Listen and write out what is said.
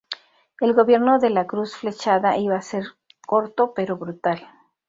El gobierno de la Cruz flechada iba ser corto pero brutal.